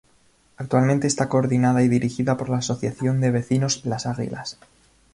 Actualmente está coordinada y dirigida por la Asociación de Vecinos Las Águilas.